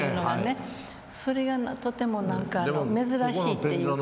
それがとても何か珍しいっていうか。